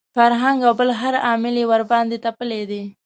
فرهنګ او بل هر عامل یې ورباندې تپلي دي.